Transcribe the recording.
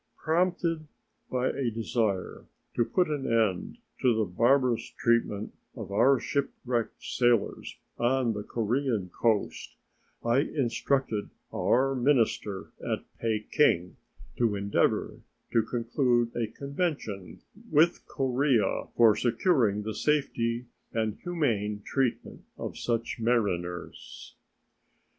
Prompted by a desire to put an end to the barbarous treatment of our shipwrecked sailors on the Korean coast, I instructed our minister at Peking to endeavor to conclude a convention with Korea for securing the safety and humane treatment of such mariners.